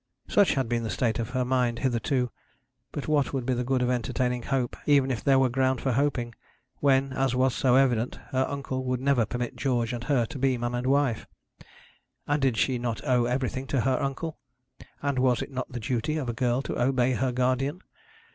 Such had been the state of her mind hitherto; but what would be the good of entertaining hope, even if there were ground for hoping, when, as was so evident, her uncle would never permit George and her to be man and wife? And did she not owe everything to her uncle? And was it not the duty of a girl to obey her guardian?